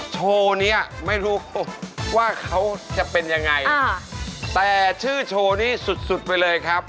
โชว์เนี้ยไม่รู้ว่าเขาจะเป็นยังไงแต่ชื่อโชว์นี้สุดสุดไปเลยครับ